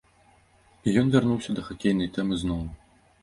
І ён вярнуўся да хакейнай тэмы зноў.